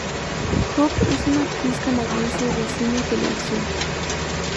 Hope es una actriz canadiense de cine y televisión.